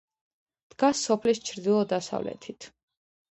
დგას სოფლის ჩრდილო-დასავლეთით.